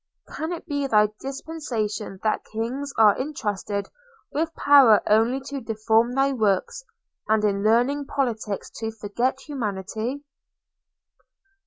Can it be thy dispensation that kings are entrusted with power only to deform thy works – and in learning politics to forget humanity?